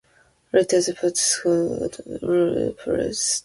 Later the buttstock was fitted with a hinged butt-rest.